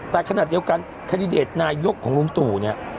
แต่ขณะเดียวกันแคนดิเดตนายกของลุงตู่เนี่ย